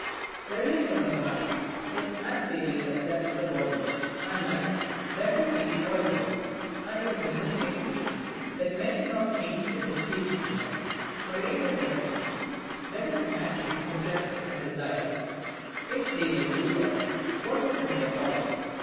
The relish of the mind is as various as that of the body, and like that too may be altered; and it is a mistake to think that men cannot change the displeasingness or indifferency that is in actions into pleasure and desire, if they will do but what is in their power.